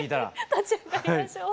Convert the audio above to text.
立ち上がりましょう。